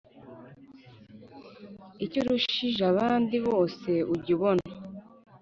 icyo arushije abandi bose ujya ubona